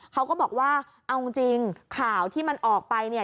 เขาก็บอกว่าเอาจริงข่าวที่มันออกไปเนี่ย